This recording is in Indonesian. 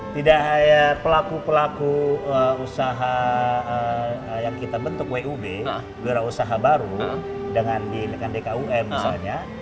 tidak hanya pelaku pelaku usaha yang kita bentuk wub berusaha baru dengan di dkum misalnya